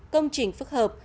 công trình phức hợp